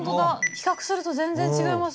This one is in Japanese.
比較すると全然違います。